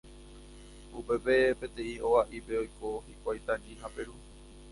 Upépe peteĩ oga'ípe oiko hikuái Tani ha Peru